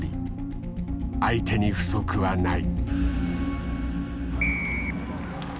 相手に不足はない。